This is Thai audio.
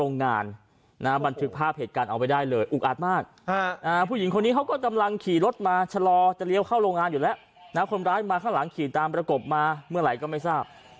คนร้ายมาข้างหลังขี่ตามประกบมาเมื่อไหร่ก็ไม่ทราบ